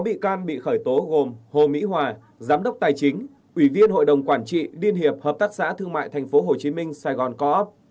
sáu bị can bị khởi tố gồm hồ mỹ hòa giám đốc tài chính ủy viên hội đồng quản trị liên hiệp hợp tác xã thương mại tp hcm sài gòn co op